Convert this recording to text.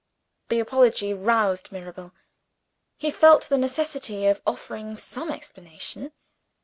The apology roused Mirabel: he felt the necessity of offering some explanation.